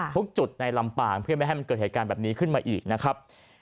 ทุกจุดในลำปางเพื่อไม่ให้มันเกิดเหตุการณ์แบบนี้ขึ้นมาอีกนะครับ